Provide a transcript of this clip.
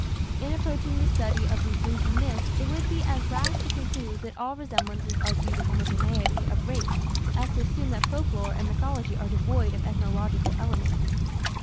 In approaching the study of these linking myths it would be as rash to conclude that all resemblances are due to homogeneity of race as to assume that folklore and mythology are devoid of ethnological elements.